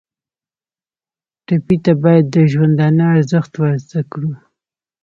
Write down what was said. ټپي ته باید د ژوندانه ارزښت ور زده کړو.